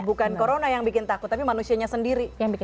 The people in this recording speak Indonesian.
bukan corona yang bikin takut tapi manusianya sendiri